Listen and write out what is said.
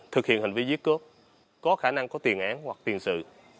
thực hiện hành vi giết cướp có khả năng có tiền án hoặc tiền sự